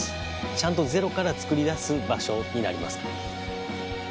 ちゃんとゼロから作り出す場所になりますかね。